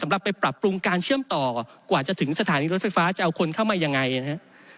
เมื่อจะถึงสถานีรถไฟฟ้าจะเอาคนเข้ามายังไงนะฮะ